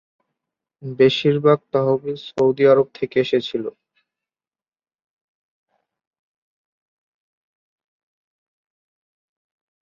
বেশিরভাগ তহবিল সৌদি আরব থেকে এসেছিল।